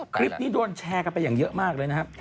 คลิปนี้โดนแชร์กันไปอย่างเยอะมากเลยนะครับ